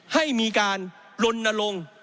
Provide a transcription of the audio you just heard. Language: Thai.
ให้มีการลนลง